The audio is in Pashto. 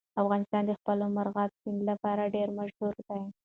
افغانستان د خپل مورغاب سیند لپاره ډېر مشهور دی.